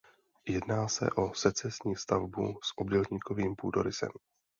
Jedná se o secesní stavbu s obdélníkovým půdorysem.